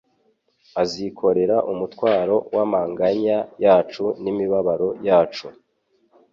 Azikorera umutwaro w'amanganya yacu n'imibabaro yacu.